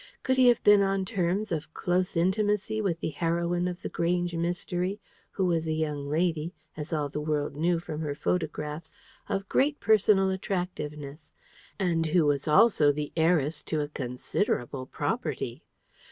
Could he have been on terms of close intimacy with the heroine of The Grange Mystery, who was a young lady as all the world knew from her photographs of great personal attractiveness, and who was also the heiress to a considerable property?